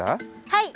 はい！